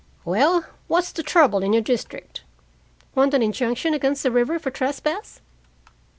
Well, what's the trouble in your district? Want an injunction against the river for trespass?"